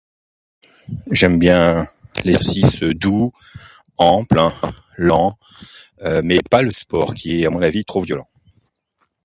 j'aime